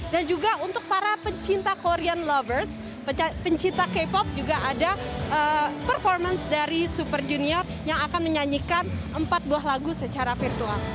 dan juga untuk para pencinta korean lovers pencinta k pop juga ada performance dari super junior yang akan menyanyikan empat buah lagu secara virtual